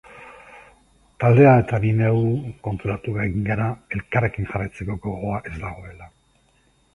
Taldea eta ni neu konturatu egin gara elkarrekin jarraitzeko gogoa ez dagoela.